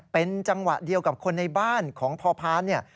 เป็นจังหวะเดียวกับคนในบ้านของพอพานเนี่ย